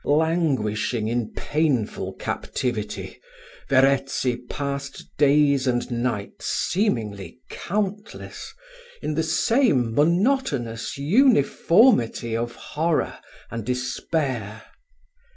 Languishing in painful captivity, Verezzi passed days and nights seemingly countless, in the same monotonous uniformity of horror and despair.